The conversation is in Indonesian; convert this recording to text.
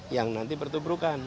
yang nanti bertuburkan